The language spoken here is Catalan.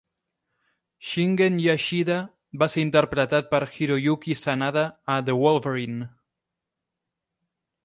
Shingen Yashida va ser interpretat per Hiroyuki Sanada a "The Wolverine".